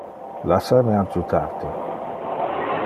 Lassa me adjutar te.